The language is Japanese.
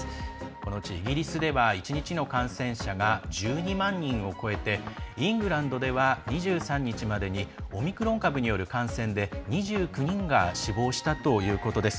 このうちイギリスでは１日の感染者が１２万人を超えてイングランドでは２３日までにオミクロン株による感染で２９人が死亡したということです。